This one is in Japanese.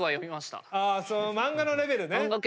漫画のレベルね。